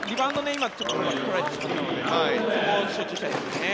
今、ちょっと取られてしまったのでそこを集中したいですね。